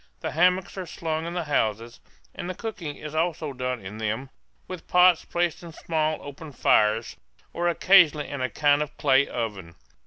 The hammocks are slung in the houses, and the cooking is also done in them, with pots placed on small open fires, or occasionally in a kind of clay oven.